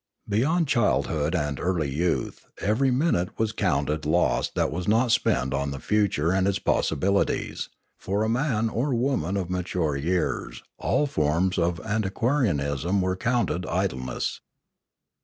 Beyond childhood and early youth every minute was counted lost that was not spent on the future and its possibili ties; and for a man or woman of mature years all forms of antiquarianism were counted idleness.